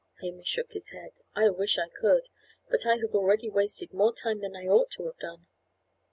Hamish shook his head. "I wish I could; but I have already wasted more time than I ought to have done."